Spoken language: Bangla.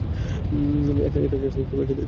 এটা জাস্ট একটা দুঃস্বপ্ন, জুলস।